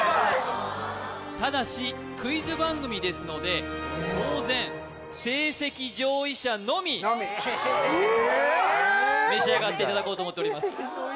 ただしクイズ番組ですので当然成績上位者のみえ召し上がっていただこうと思っております